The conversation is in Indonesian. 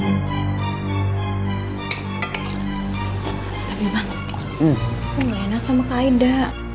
tapi bang aku gak enak sama kak ida